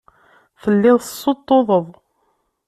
Telliḍ tessuṭṭuḍeḍ.